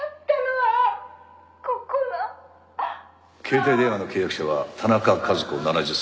携帯電話の契約者は田中和子７０歳。